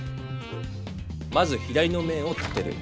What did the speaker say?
まず左の面を立てる。